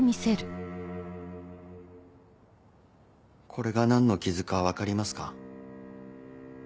これが何の傷か分かりますか？